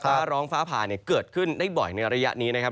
ฟ้าร้องฟ้าผ่าเนี่ยเกิดขึ้นได้บ่อยในระยะนี้นะครับ